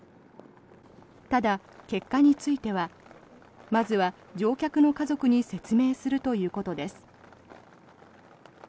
ただ、結果についてはまずは乗客の家族に説明するということです。